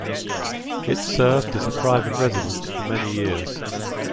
It served as a private residence for many years.